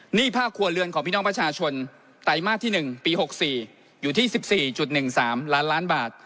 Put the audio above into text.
หนี้ภาคครัวเรือนของพี่น้องประชาชนไตรมาสที่๑ปี๖๔อยู่ที่๑๔๑๓ล้านล้านบาท